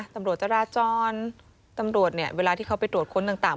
ตำรวจจราจรตำรวจเนี่ยเวลาที่เขาไปตรวจค้นต่าง